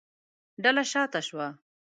ډله شا ته شوه.